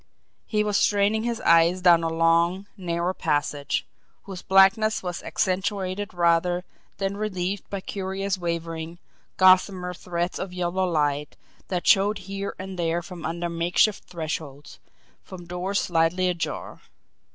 He was straining his eyes down a long, narrow passage, whose blackness was accentuated rather than relieved by curious wavering, gossamer threads of yellow light that showed here and there from under makeshift thresholds, from doors slightly ajar.